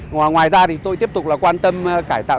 ngoài ra tôi tiếp tục quan tâm cải tạo